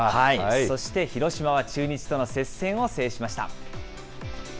そして、広島は中日との接戦を制しました。